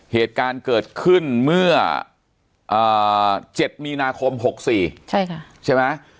เหตุการณ์เกิดขึ้นเมื่อเอ่อเจ็ดมีนาคม๖๔ใช่ค่ะใช่ไหม